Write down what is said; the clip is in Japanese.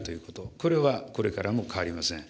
これはこれからも変わりません。